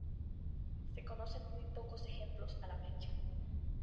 Se conocen muy pocos ejemplos a la fecha.